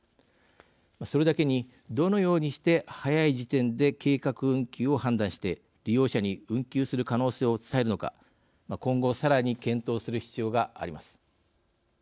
それだけに、どのようにして早い時点で計画運休を判断して利用者に運休する可能性を伝えるのか今後さらに検討する必要があります。